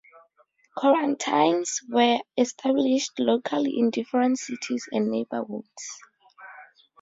Quarantines were established locally in different cities and neighborhoods.